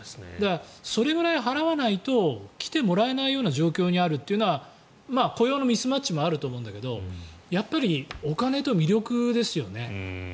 それぐらい払わないと来てもらえないような状況にあるというのは雇用のミスマッチもあると思うんだけどやっぱりお金と魅力ですよね。